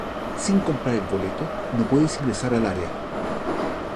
Sin comprar el boleto, no puedes ingresar al área.